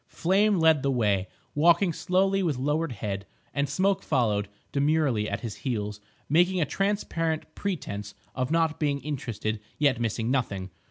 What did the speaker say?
Flame led the way, walking slowly with lowered head, and Smoke followed demurely at his heels, making a transparent pretence of not being interested, yet missing nothing.